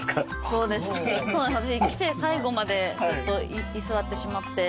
期生最後までずっと居座ってしまって。